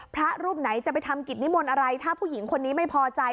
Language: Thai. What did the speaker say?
พระรูปไหนจะไปทำกิจนิมนต์อะไรถ้าผู้หญิงคนนี้ไม่พอใจ